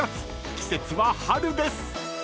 季節は春です］